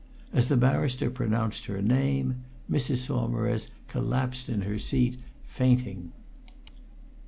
As the barrister pronounced her name, Mrs. Saumarez collapsed in her seat, fainting.